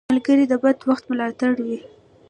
ملګری د بد وخت ملاتړی وي